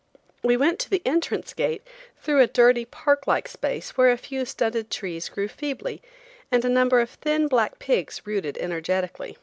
We went to the entrance gate through a dirty park like space where a few stunted trees grew feebly and a number of thin, black pigs rooted energetically.